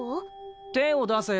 手を出せよ。